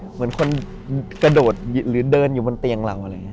เหมือนคนกระโดดหรือเดินอยู่บนเตียงเราอะไรอย่างนี้